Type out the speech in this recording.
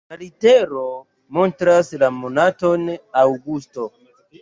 La litero montras la monaton aŭgusto.